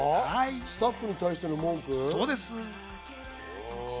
スタッフに対しての文句？